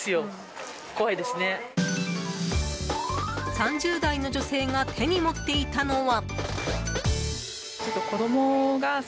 ３０代の女性が手に持っていたのは。